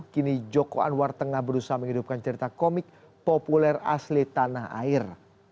kini joko anwar tengah berusaha menghidupkan cerita komik populer asli tanah air